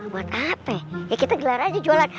buat apa ya kita gelar aja jualan